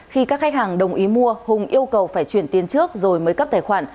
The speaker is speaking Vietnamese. khi các khách hàng đồng ý mua hùng yêu cầu phải chuyển tiền trước rồi mới cấp tài khoản